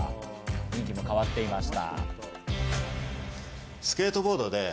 雰囲気が変わっていました。